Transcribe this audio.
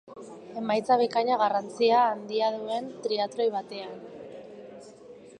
Emaitza bikaina garrantzia handia duen triatloi batean.